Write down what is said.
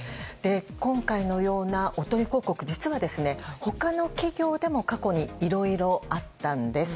今回のようなおとり広告は他の企業でも過去にいろいろあったんです。